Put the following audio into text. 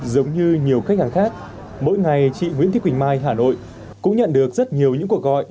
giống như nhiều khách hàng khác mỗi ngày chị nguyễn thị quỳnh mai hà nội cũng nhận được rất nhiều những cuộc gọi